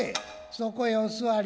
そこへお座り。